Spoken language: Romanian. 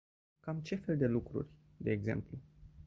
Cam ce fel de lucruri de exemplu?